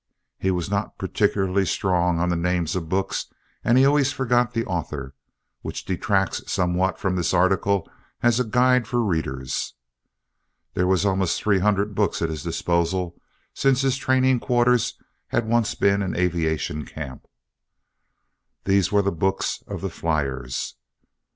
He was not particularly strong on the names of books and he always forgot the author, which detracts somewhat from this article as a guide for readers. There were almost three hundred books at his disposal, since his training quarters had once been an aviation camp. These were the books of the fliers.